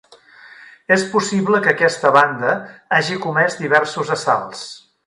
És possible que aquesta banda hagi comès diversos assalts.